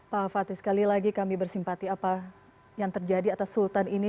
pak fatih sekali lagi kami bersimpati apa yang terjadi atas sultan ini